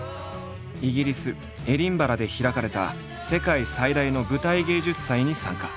イギリスエディンバラで開かれた世界最大の舞台芸術祭に参加。